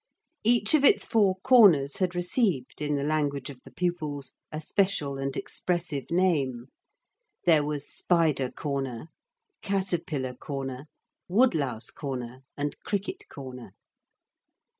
Each of its four corners had received, in the language of the pupils, a special and expressive name. There was Spider corner, Caterpillar corner, Wood louse corner, and Cricket corner.